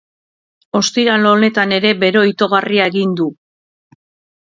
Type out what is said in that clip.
Ostiral honetan ere bero itogarria egin du.